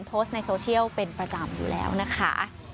โพสต์ในโซเชียลเป็นประจำอยู่แล้วนะคะ